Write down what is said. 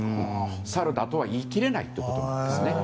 サルだとは言い切れないということなんですね。